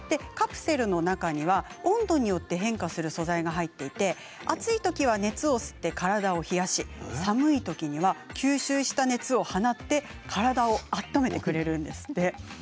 カプセルの中には温度によって変化する素材が入っていて暑いときは熱を吸って体を冷やし寒いときには吸収した熱を放って体をあたためてくれるんです。